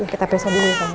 kita pesan dulu ya